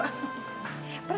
permisi tuan putri